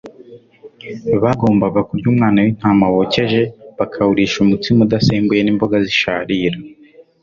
bagombaga kurya umwana w'intama wokeje bakawurisha umutsima udasembuye n'imboga zisharira.